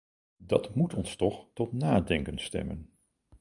Dat moet ons toch tot nadenken stemmen.